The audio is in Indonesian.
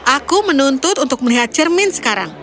aku menuntut untuk melihat cermin sekarang